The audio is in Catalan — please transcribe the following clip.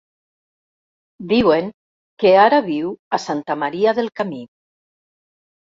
Diuen que ara viu a Santa Maria del Camí.